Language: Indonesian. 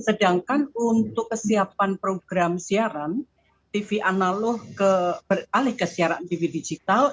sedangkan untuk kesiapan program siaran tv analog beralih ke siaran tv digital